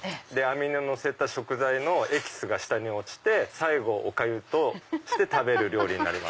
で網にのせた食材のエキスが下に落ちて最後お粥として食べる料理。